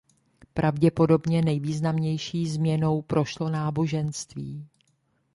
Pravděpodobně nejvýznamnější změnou prošlo náboženství.